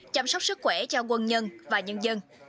chăm sóc sức khỏe cho quân nhân và nhân dân